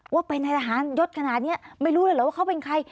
ว่าเป็นนายทหารยศขนาดนี้ไม่รู้เลยเหรอว่าเขาเป็นใคร